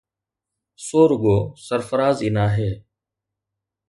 سو رڳو سرفراز ئي ناهي،